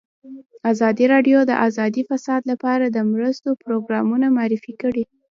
ازادي راډیو د اداري فساد لپاره د مرستو پروګرامونه معرفي کړي.